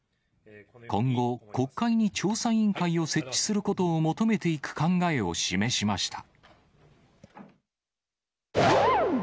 今後、国会に調査委員会を設置することを求めていく考えを示しました。